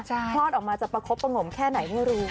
คลอดออกมาจะประคบประงมแค่ไหนไม่รู้